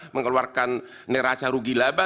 mengeluarkan neraca rugi laba